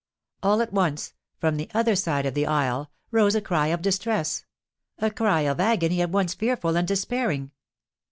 All at once, from the other side of the isle, rose a cry of distress, a cry of agony at once fearful and despairing.